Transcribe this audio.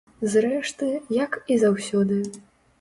Зрэшты, як і заўсёды.